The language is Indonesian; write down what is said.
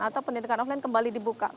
atau pendidikan online kembali dibuka